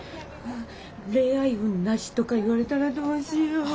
恋愛運なしとか言われたらどうしよう。